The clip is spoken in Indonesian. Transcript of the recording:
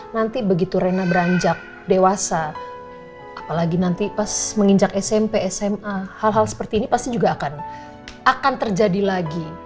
nanti begitu rena beranjak dewasa apalagi nanti pas menginjak smp sma hal hal seperti ini pasti juga akan terjadi lagi